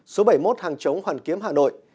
số bảy mươi một hàng chống hoàn kiếm hà nội